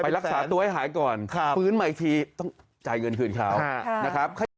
รักษาตัวให้หายก่อนฟื้นมาอีกทีต้องจ่ายเงินคืนเขานะครับ